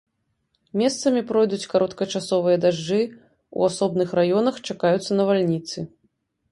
Месцамі пройдуць кароткачасовыя дажджы, у асобных раёнах чакаюцца навальніцы.